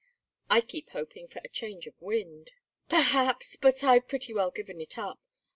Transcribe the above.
"I keep hoping for a change of wind." "Perhaps, but I've pretty well given it up.